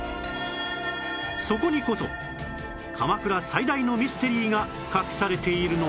そこにこそ鎌倉最大のミステリーが隠されているのです